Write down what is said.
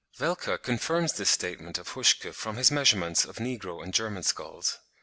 Welcker confirms this statement of Huschke from his measurements of negro and German skulls."